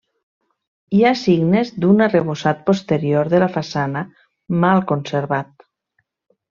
Hi ha signes d'un arrebossat posterior de la façana, mal conservat.